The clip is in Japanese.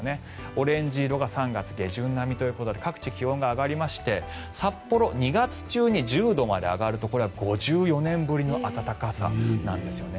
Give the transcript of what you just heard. オレンジ色が３月下旬並みということで各地、気温が上がりまして札幌、２月中に１０度まで上がるとこれは５４年ぶりの暖かさなんですね。